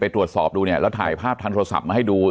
ตรวจสอบดูเนี่ยแล้วถ่ายภาพทางโทรศัพท์มาให้ดู